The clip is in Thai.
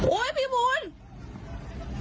โอ้ยพี่บูรำ